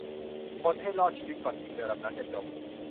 คนให้รอดชีวิตก่อนที่เรือลำนั้นจะจม